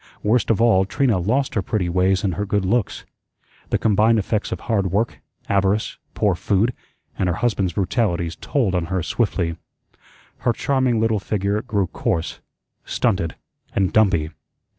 Worst of all, Trina lost her pretty ways and her good looks. The combined effects of hard work, avarice, poor food, and her husband's brutalities told on her swiftly. Her charming little figure grew coarse, stunted, and dumpy.